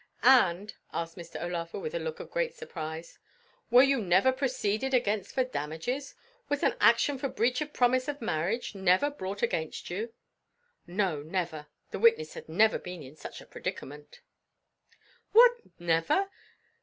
"And," asked Mr. O'Laugher with a look of great surprise, "were you never proceeded against for damages? Was an action for breach of promise of marriage never brought against you?" No, never; the witness had never been in such a predicament. "What, never?